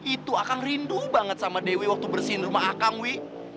itu akang rindu banget sama dewi waktu bersihin rumah akangwi